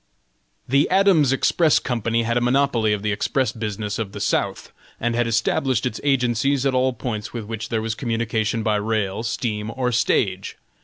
The Adams Express Company had a monopoly of the express business of the South, and had established its agencies at all points with which there was communication by rail, steam or stage.